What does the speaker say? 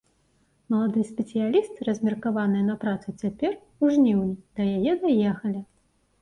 Маладыя спецыялісты, размеркаваныя на працу, цяпер, у жніўні, да яе даехалі.